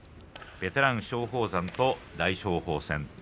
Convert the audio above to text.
ベテラン松鳳山と大翔鵬です。